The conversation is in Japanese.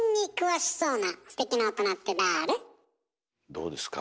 どうですか？